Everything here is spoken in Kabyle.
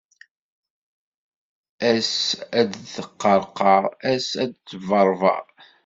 Ass ad teqqerqer, ass ad tebbeṛbeṛ.